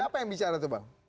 siapa yang bicara itu bang